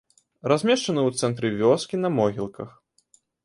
Размешчаны ў цэнтры вёскі, на могілках.